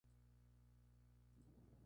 Se encuentra en las Islas Molucas y Sulawesi.